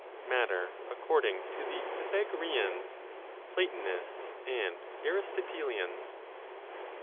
MATTER ACCORDING TO THE PYTHAGOREANS, PLATONISTS AND ARISTOTELIANS.